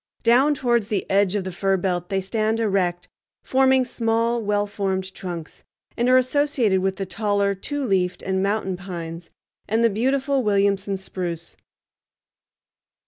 Down towards the edge of the fir belt they stand erect, forming small, well formed trunks, and are associated with the taller two leafed and mountain pines and the beautiful Williamson spruce.